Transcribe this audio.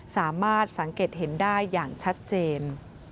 สามารถสังเกตเห็นได้อย่างชัดเจน